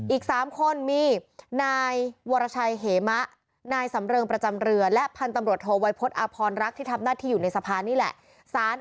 อีก๓คนมีนายวรชัยเหมะ